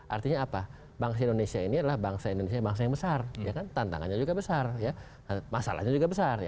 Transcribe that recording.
artinya apa bangsa indonesia ini adalah bangsa indonesia bangsa yang besar tantangannya juga besar masalahnya juga besar